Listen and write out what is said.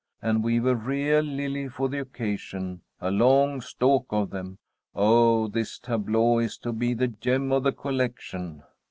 And we've a real lily for the occasion, a long stalk of them. Oh, this tableau is to be the gem of the collection."